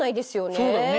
そうだよね。